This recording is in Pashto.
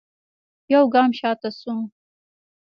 يوګام شاته سوه.